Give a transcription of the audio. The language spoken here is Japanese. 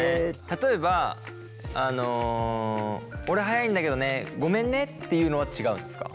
例えば俺速いんだけどねごめんねっていうのは違うんですか？